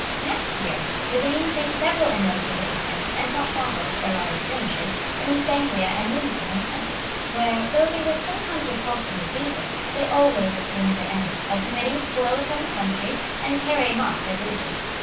] Next year, the Danes made several inroads into England, and fought battles, or rather skirmishes, in East Anglia and Lindesey and Kent; where, though they were sometimes repulsed and defeated, they always obtained their end, of committing spoil upon the country, and carrying off their booty.